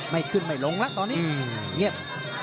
ไม่ขึ้นไม่ลงแล้วตอนนี้เงียบ